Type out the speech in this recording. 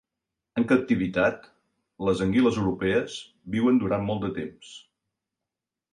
En captivitat, les anguiles europees viuen durant molt de temps.